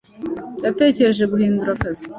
yatekereje guhindura akazi.